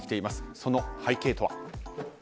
その背景とは。